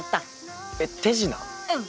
うん。